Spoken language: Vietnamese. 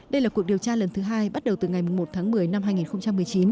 đây là cuộc điều tra lần thứ hai bắt đầu từ ngày một tháng một mươi năm hai nghìn một mươi chín